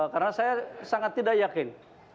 karena saya sangat tidak yakin